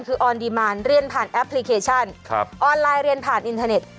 คือออนดีมานเรียนผ่านแอปพลิเคชันออนไลน์เรียนผ่านอินเทอร์เน็ต